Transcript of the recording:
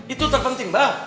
itu terpenting mbah